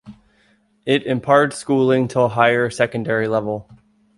It imparts schooling till Higher Secondary level.